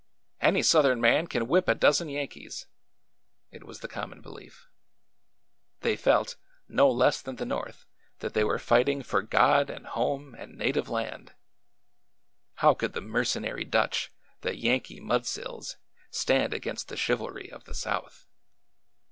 Any Southern man can whip a dozen Yankees !'' It was the common belief. They felL no less than the A MEMORABLE CAMPAIGN 169 North, that they were fighting for God and home and native land/' How could the mercenary Dutch, the '' Yankee mudsills," stand against the chivalry of the South